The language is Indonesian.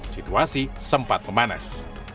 situasi sempat memanas